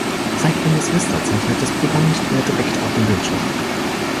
Seit Windows Vista zeichnet das Programm nicht mehr direkt auf den Bildschirm.